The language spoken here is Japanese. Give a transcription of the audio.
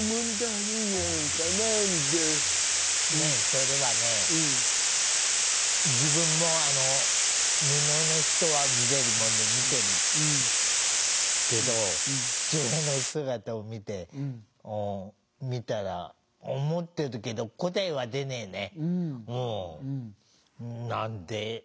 それはね自分も「無能の人」は見れるもんで見てるけど父親の姿を見て見たら思ってるけど答えはね出ねえんだ。